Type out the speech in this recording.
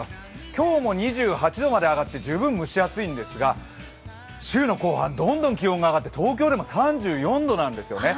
今日も２８度まで上がって十分蒸し暑いんですが週の後半、どんどん気温が上がって東京でも３４度なんですよね。